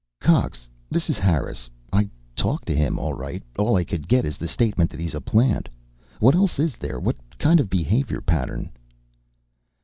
"Cox, this is Harris. I talked to him, all right. All I could get is the statement that he's a plant. What else is there? What kind of behavior pattern?"